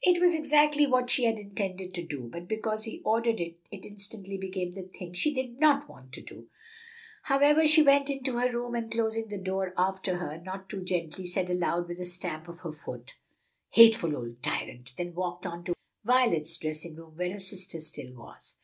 It was exactly what she had intended to do, but because he ordered it, it instantly became the thing she did not want to do. However, she went into her room, and closing the door after her, not too gently, said aloud with a stamp of her foot, "Hateful old tyrant!" then walked on into Violet's dressing room, where her sister still was.